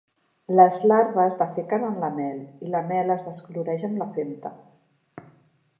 Les larves defequen en la mel i la mel es descoloreix amb la femta.